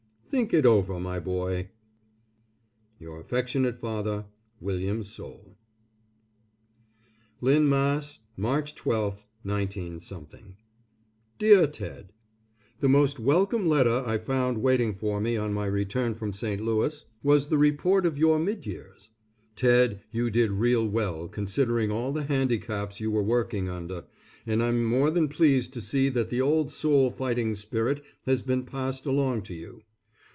Think it over, my boy. Your affectionate father, WILLIAM SOULE. LYNN, MASS., _March 12, 19 _ DEAR TED: The most welcome letter I found waiting for me on my return from St. Louis was the report of your mid years. Ted, you did real well considering all the handicaps you were working under, and I'm more than pleased to see that the old Soule fighting spirit has been passed along to you.